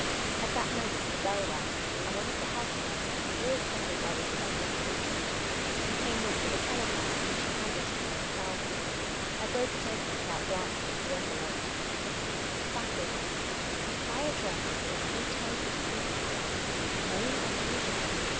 At that moment the bell rang, and one of the house servants — all puzzled by this conflict of interests — came in with a telegram, which he handed me on a salver. I broke it open, without glancing at the envelope. Its contents baffled me :" My address is Hotel Bristol, Paris ; name as usual.